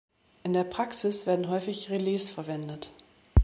In der Praxis werden häufig Relais verwendet.